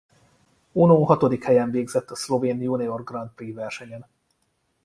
Uno hatodik helyen végzett a szlovén Junior Grand Prix versenyen.